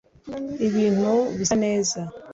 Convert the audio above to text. Ibintu bisa neza